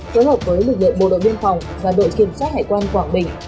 phối hợp với lực lượng bộ đội viên phòng và đội kiểm soát hải quan quảng bình